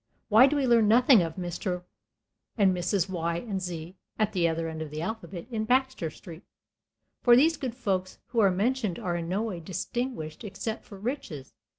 Why do we learn nothing of Mr. and Mrs. Y. and Z., at the other end of the alphabet, in Baxter Street? For these good folks who are mentioned are in no way distinguished except for riches.